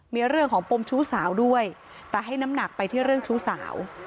มีเรื่องของปมชู้สาวด้วยแต่ให้น้ำหนักไปที่เรื่องชู้สาว